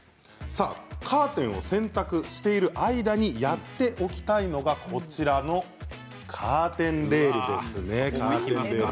カーテンを洗っている間にやっておきたいのがこちらのカーテンレールです。